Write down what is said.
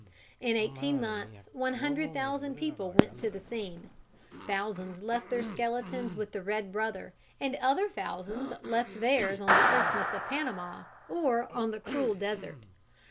In eighteen months one hundred thousand people went to the scene. Thousands left their skeletons with the red brother, and other thousands left theirs on the Isthmus of Panama or on the cruel desert.